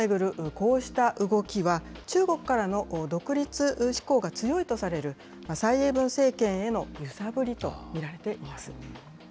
こうした動きは、中国からの独立志向が強いとされる、蔡英文政権への揺さぶりと見られています。